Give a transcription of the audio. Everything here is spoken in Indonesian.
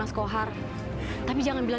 jatuh jatuh mungkin nila